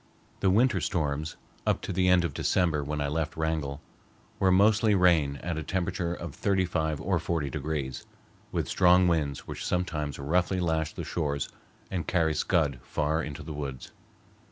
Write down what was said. The winter storms, up to the end of December when I left Wrangell, were mostly rain at a temperature of thirty five or forty degrees, with strong winds which sometimes roughly lash the shores and carry scud far into the woods.